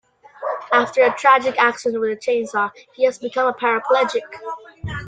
After a tragic accident with a chainsaw he has become a paraplegic.